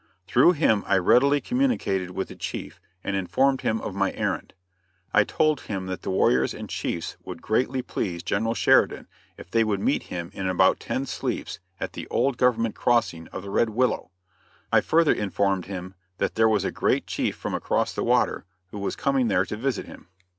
Through him I readily communicated with the chief and informed him of my errand. I told him that the warriors and chiefs would greatly please General Sheridan if they would meet him in about ten sleeps at the old Government crossing of the Red Willow. I further informed him that there was a great chief from across the water who was coming there to visit him.